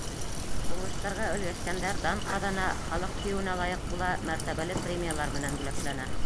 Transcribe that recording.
Уңыштарға өлгәшкәндәр дан ҡаҙана, халыҡ һөйөүенә лайыҡ була, мәртәбәле премиялар менән бүләкләнә.